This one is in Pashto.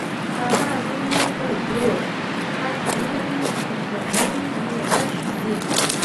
ساره دومره په زوره خټ وهي چې تر لرې یې غږ ځي.